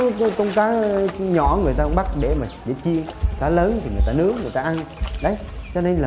tôm cá nhỏ người ta bắt để mà để chia cá lớn thì người ta nướng người ta ăn đấy cho nên là